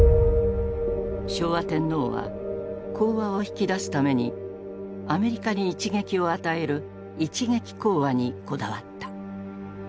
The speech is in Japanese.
昭和天皇は講和を引き出すためにアメリカに一撃を与える「一撃講和」にこだわった。